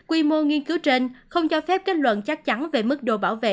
quy mô nghiên cứu trên không cho phép kết luận chắc chắn về mức độ bảo vệ